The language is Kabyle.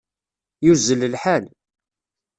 Yuzzel lḥal.